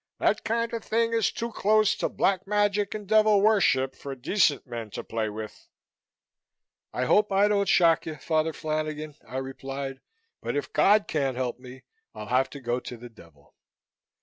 "That kind of thing is too close to Black Magic and devil worship for decent men to play with." "I hope I don't shock you, Father Flanagan," I replied, "but if God can't help me, I'll have to go to the Devil."